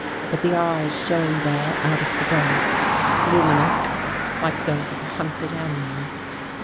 But the eyes shone there out of the dark, luminous, like those of a hunted animal.